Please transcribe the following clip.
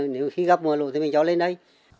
nếu khi gặp mưa lũ thì mình cho lên đây